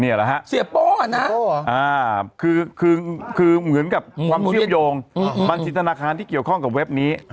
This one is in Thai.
แหละฮะเสียโป้นะคือเหมือนกับความเชื่อมโยงบัญชีธนาคารที่เกี่ยวข้องกับเว็บนี้